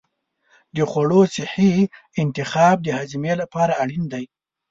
د خوړو صحي انتخاب د هاضمې لپاره اړین دی.